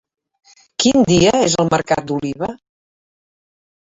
Quin dia és el mercat d'Oliva?